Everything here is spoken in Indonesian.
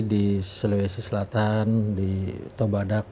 di sulawesi selatan di tobadak